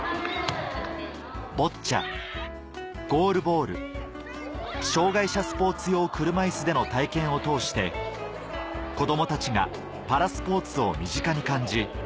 ボッチャゴールボール障害者スポーツ用車いすでの体験を通して子供たちがパラスポーツを身近に感じ